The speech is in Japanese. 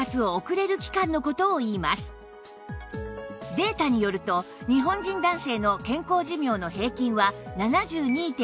データによると日本人男性の健康寿命の平均は ７２．１４ 歳